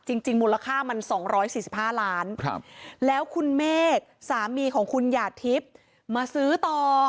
จริงมูลค่ามัน๒๔๕ล้านแล้วคุณเมฆสามีของคุณหยาดทิพย์มาซื้อต่อ